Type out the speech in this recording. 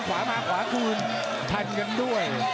ขวามาขวาคืนทันกันด้วย